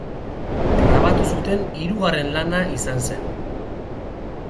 Grabatu zuten hirugarren lana izan zen.